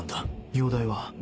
容体は？